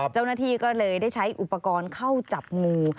เจ้าหน้าที่ก็เลยได้ใช้อุปกรณ์เข้าจับงู